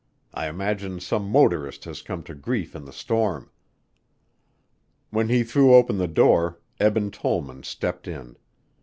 I imagine some motorist has come to grief in the storm." When he threw open the door, Eben Tollman stepped in.